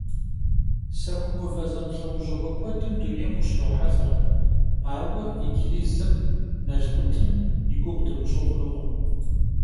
Сэху мывэ зэмылӀэужьыгъуэ куэдым дунейм ущрохьэлӀэ, ауэ иджыри зым налкъутым и гугъу дымыщӀу хъункъым.